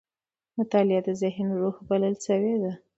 مطالعه د ذهن روح بلل سوې ده.